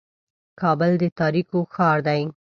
کابل د تاریکو ښار دی.